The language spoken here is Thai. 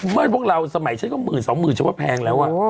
เมื่อพวกเราสมัยเด็กใช่มึงสองมือช่วงไม่ว่าแพงแล้ว